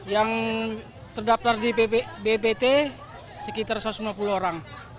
yang terdaftar di bppt sekitar satu ratus lima puluh orang